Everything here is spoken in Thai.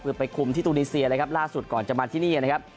คือไปคุมที่ตูนีเซียเลยครับล่าสุดก่อนจะมาที่นี่นะครับ